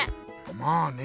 まあね。